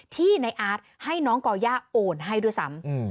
ที่ในอาร์ตให้น้องก่อย่าโอนให้ด้วยซ้ำ